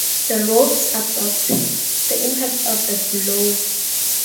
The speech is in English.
The ropes absorbed the impact of the blow.